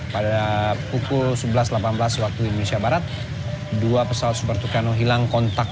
pada pukul sebelas delapan belas waktu indonesia barat dua pesawat super tucano hilang kontak